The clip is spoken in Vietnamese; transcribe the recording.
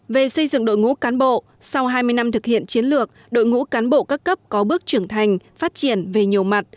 về xây dựng đội ngũ cán bộ sau hai mươi năm thực hiện chiến lược đội ngũ cán bộ các cấp có bước trưởng thành phát triển về nhiều mặt